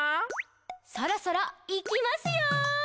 「そろそろ、いきますよ！」